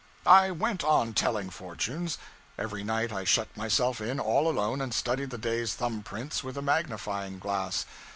I went on telling fortunes. Every night I shut myself in, all alone, and studied the day's thumb prints with a magnifying glass.